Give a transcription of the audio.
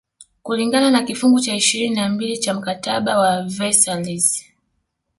kulingana na kifungu cha ishirini na mbili cha mkataba wa Versailles